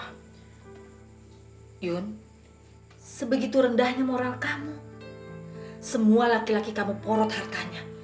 yun sebegitu rendahnya moral kamu semua laki laki kamu porot hartanya